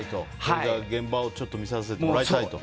現場をちょっと見させてもらいたいと。